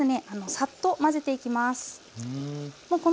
サッと混ぜていきます。